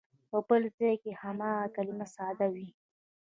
په بل ځای کې هماغه کلمه ساده وي.